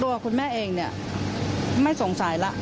ตัวคุณแม่เองไม่สงสัยล่ะ